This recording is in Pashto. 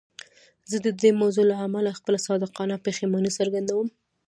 زه د دې موضوع له امله خپله صادقانه پښیماني څرګندوم.